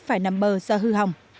phải nằm bờ do hư hỏng